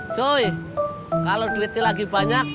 joy kalau duitnya lagi banyak